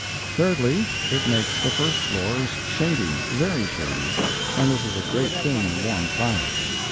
Thirdly—It makes the first floors shady, very shady, and this is a great thing in a warm climate.